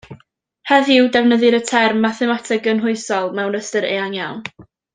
Heddiw, defnyddir y term mathemateg gymhwysol mewn ystyr eang iawn.